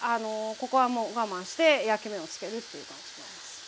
ここはもう我慢して焼き目を付けるっていう感じになります。